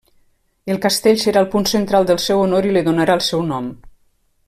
El castell serà el punt central del seu honor i li donarà el seu nom.